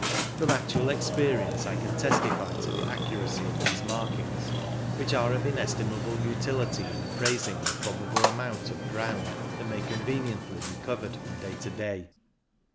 From actual experience I can testify to the ac curacy of these markings, which are of inestimable utility in appraising the prob able amount of ground that may con veniently be covered from day to day.